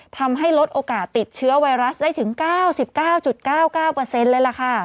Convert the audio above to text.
ทำให้ลดโอกาสติดเชื้อไวรัสได้ถึง๙๙๙๙๙เลยล่ะค่ะ